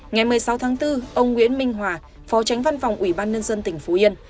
ngày một mươi sáu tháng bốn ông nguyễn minh hòa phó tránh văn phòng ủy ban nhân dân tỉnh phú yên